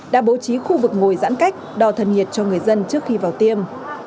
đã bố trí khu vực ngồi giãn cách đò thân nhiệt cho người dân trước khi vào tiêm